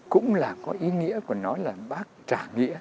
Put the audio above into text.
cũng là có ý nghĩa của nó là bác trả nghĩa